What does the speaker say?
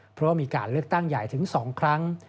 เพราะว่ามีการเลือกตั้งใหญ่ถึง๒ครั้ง